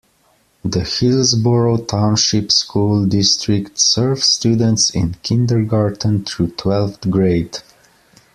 The Hillsborough Township School District serves students in kindergarten through twelfth grade.